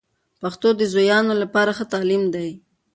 پښتو د زویانو لپاره ښه تعلیم دی.